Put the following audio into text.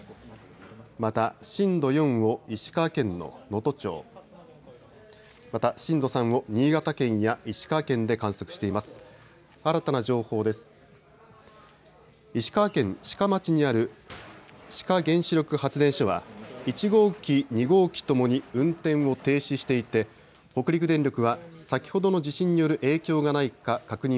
また震度４を石川県の能登町、また震度３を新潟県や石川県で観測しています。